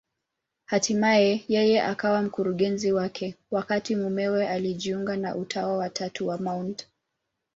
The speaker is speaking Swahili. Hatimaye yeye akawa mkurugenzi wake, wakati mumewe alijiunga na Utawa wa Tatu wa Mt.